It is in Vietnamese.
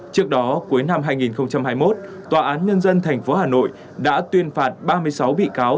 trước đó cuối năm hai nghìn hai mươi một tòa án nhân dân tp hà nội đã tuyên phạt ba mươi sáu bị cáo